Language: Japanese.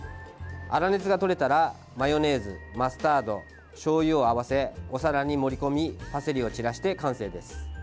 粗熱がとれたらマヨネーズ、マスタードしょうゆを合わせお皿に盛り込みパセリを散らして完成です。